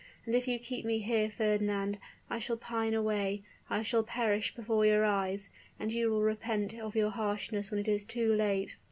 And if you keep me here, Fernand, I shall pine away I shall perish before your eyes, and you will repent of your harshness when it is too late.